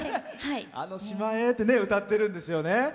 「あの島へ」って歌ってるんですよね。